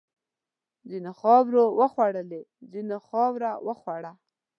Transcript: ځینو خاورې وخوړلې، ځینو خاوره وخوړه.